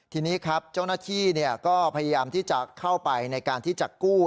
ทีนี้ครับเจ้าหน้าที่ก็พยายามที่จะเข้าไปในการที่จะกู้